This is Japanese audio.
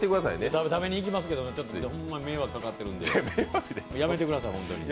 食べに行きますけど、ほんまに迷惑かかってるんで、やめてくださいよ。